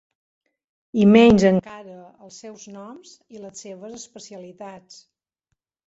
I menys encara els seus noms i les seves especialitats.